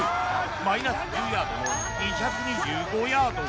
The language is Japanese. マイナス１０ヤードの２２５ヤード